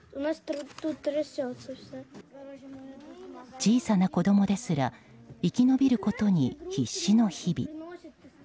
小さな子供ですら生き延びることに必死の日々。